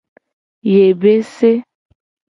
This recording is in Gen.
Yebese.